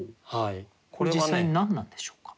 実際何なんでしょうか？